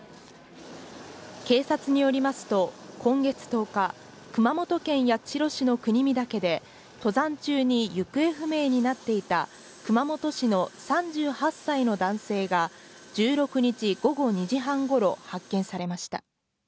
警察によりますと、今月１０日、熊本県八代市の国見岳で、登山中に行方不明になっていた熊本市の３８歳の男性が、１６日午後２時半ごろ、発見されました。